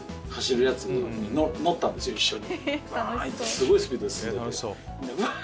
すごいスピードで進んでてうわ！